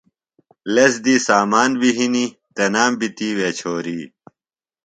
لس دی سامان بیۡ ہنِیۡ، تنام بیۡ تِیوے چھوریۡ